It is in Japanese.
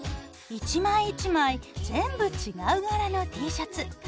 一枚一枚全部違うがらのＴシャツ。